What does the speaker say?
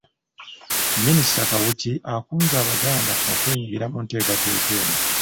Minisita Kawuki akunze abaganda okwenyingira mu nteekateeka eno.